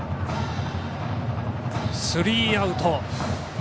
スリーアウト。